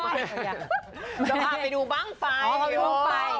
จะพาไปดูบ้างไฟ